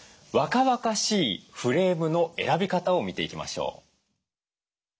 若々しいフレームの選び方を見ていきましょう。